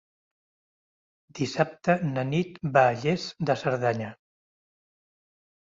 Dissabte na Nit va a Lles de Cerdanya.